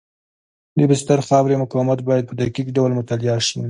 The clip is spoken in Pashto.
د بستر د خاورې مقاومت باید په دقیق ډول مطالعه شي